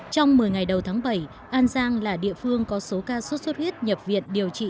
trong một mươi ngày đầu tháng bảy an giang là địa phương có số ca sốt xuất huyết nhập viện điều trị